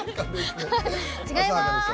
違います。